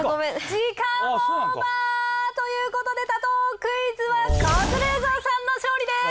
時間オーバー！ということで多答クイズはカズレーザーさんの勝利です！